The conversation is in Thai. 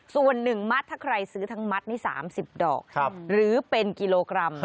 ส่วน๑มัดถ้าใครซื้อทั้งมัดนี่๓๐ดอกหรือเป็นกิโลกรัม